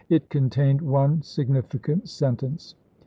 It con tained one significant sentence.